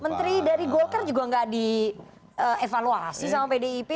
menteri dari golkar juga nggak dievaluasi sama pdip